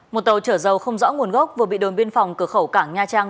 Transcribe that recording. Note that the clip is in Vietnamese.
một tàu chở dầu không rõ nguồn gốc vừa bị đồn biên phòng cửa khẩu cảng nha trang